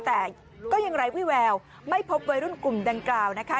แต่ก็ยังไร้วิแววไม่พบวัยรุ่นกลุ่มดังกล่าวนะคะ